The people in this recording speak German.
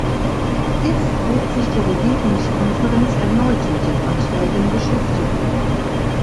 Jetzt wird sich die Regierungskonferenz erneut mit den Verträgen beschäftigen.